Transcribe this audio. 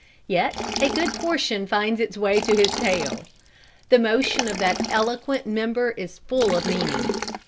Yet, a good portion finds its way to his tail. The motion of that eloquent member is full of meaning.